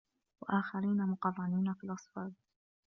وَآخَرينَ مُقَرَّنينَ فِي الأَصفادِ